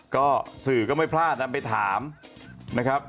ก็สื่อก็ไม่พลาดนำไปถามนะครับ